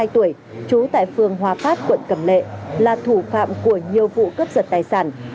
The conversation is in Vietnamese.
ba mươi hai tuổi chú tại phường hòa phát quận cầm lệ là thủ phạm của nhiều vụ cướp giật tài sản